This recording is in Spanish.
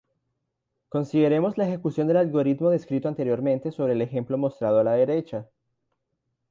Consideremos la ejecución del algoritmo descrito anteriormente sobre el ejemplo mostrado a la derecha.